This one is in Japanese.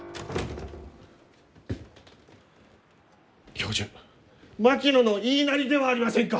教授槙野の言いなりではありませんか！？